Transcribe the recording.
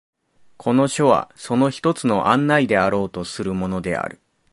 この書はその一つの案内であろうとするものである。